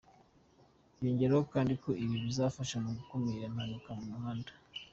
Yongeyeho kandi ko ibi bizafasha mu gukumira impanuka mu muhanda.